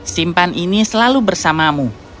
simpan ini selalu bersamamu